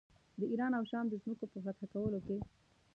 د ایران او شام د ځمکو په فتح کولو کې.